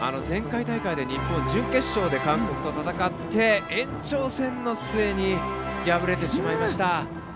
前回大会では日本は準決勝で韓国と戦って延長戦の末に敗れてしまいました。